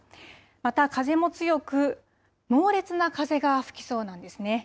また風も強く、猛烈な風が吹きそうなんですね。